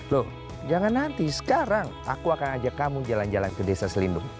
loh jangan nanti sekarang aku akan ajak kamu jalan jalan ke desa selindung